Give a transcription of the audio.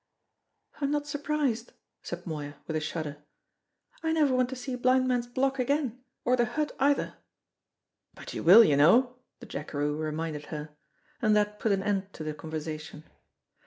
"I'm not surprised," said Moya, with a shudder. "I never want to see Blind Man's Block again, or the hut either." "But you will, you know!" the jackeroo reminded her. And that put an end to the conversation.